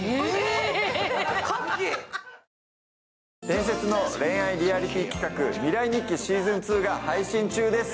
伝説の恋愛レアリティー企画「未来日記」シーズン２が配信中です。